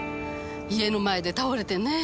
家の前で倒れてね。